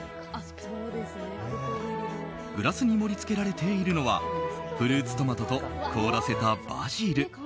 グラスに盛り付けられているのはフルーツトマトと凍らせたバジル。